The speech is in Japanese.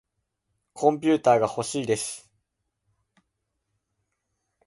コンピューターがほしいです。